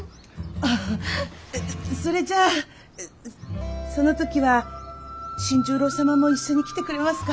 あそれじゃあその時は新十郎様も一緒に来てくれますか？